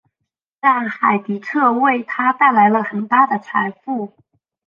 但海迪彻为他带来了很大的财富。